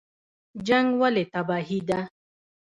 جنګ ولې تباهي ده؟